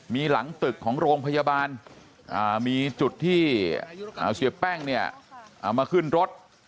มีหลังตึกของโรงพยาบาลมีจุดที่เสียแป้งเนี่ยเอามาขึ้นรถ